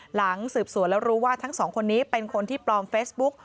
หลังสืบสวนแล้วรู้ว่าทั้งสองคนนี้เป็นคนที่ปลอมเฟซบุ๊ก